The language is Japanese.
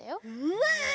うわ！